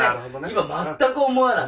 今全く思わない。